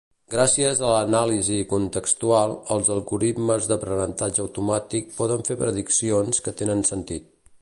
Gràcies a l"anàlisi contextual, els algoritmes d"aprenentatge automàtic poden fer prediccions que tenen sentit.